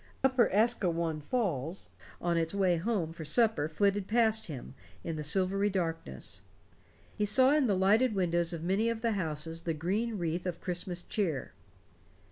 Upper Asquewan Falls on its way home for supper flitted past him in the silvery darkness. He saw in the lighted windows of many of the houses the green wreath of Christmas cheer.